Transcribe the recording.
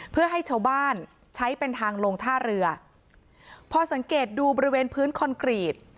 เพื่อให้ชาวบ้านใช้เป็นทางลงท่าเรือพอสังเกตดูบริเวณพื้นคอนกรีต